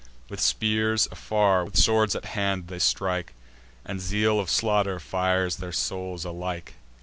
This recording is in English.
With spears afar, with swords at hand, they strike; And zeal of slaughter fires their souls alike.